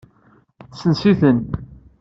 Tesens-iten.